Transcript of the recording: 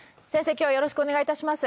今日はよろしくお願いいたします。